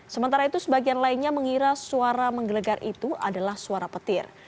sementara itu sebagian lainnya mengira suara menggelegar itu adalah suara petir